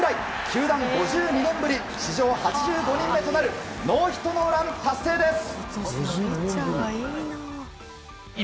球団５２年ぶり史上８５人目となるノーヒットノーラン達成です！